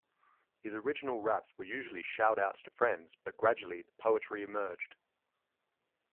His original raps were usually shout-outs to friends, but gradually the poetry emerged.